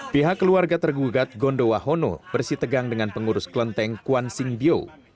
pihak keluarga tergugat gondowa hono bersih tegang dengan pengurus kelenteng kwan sing bio